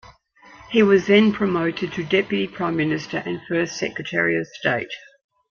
He was then promoted to Deputy Prime Minister and First Secretary of State.